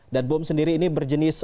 dan bom sendiri ini berjenis